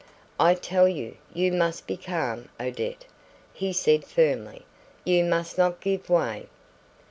"I tell you, you must be calm, Odette," he said firmly, "you must not give way.